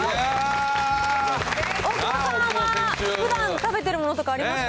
大久保さんは、ふだん食べてるものとかありますか？